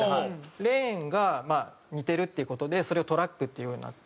レーンが似てるっていう事でそれをトラックっていうようになって。